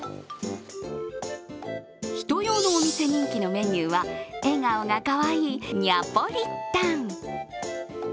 人用のお店人気のメニューは笑顔がかわいいニャポリタン。